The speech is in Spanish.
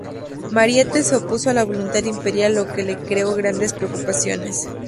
Mariette se opuso a la voluntad imperial, lo que le creó grandes preocupaciones.